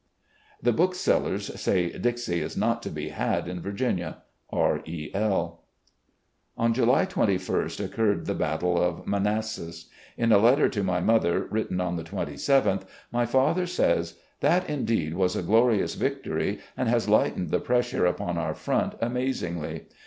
"The bookseUers say 'Dixie' is not to be had in Vir ginia. R. E. L." THE CONFEDERATE GENERAL 37 On July 2ist occurred the battle of Manassas, In a letter to my mother written on the 27th, my father says: .. That indeed was a glorious victory and has lightened the pressure upon our front amazingly.